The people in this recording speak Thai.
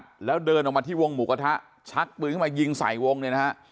เจ็บสาหัสแล้วเดินออกมาที่วงหมู่กระทะชักปืนเข้ามายิงใส่วงเลยนะครับ